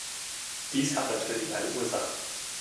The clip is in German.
Dies hat natürlich eine Ursache.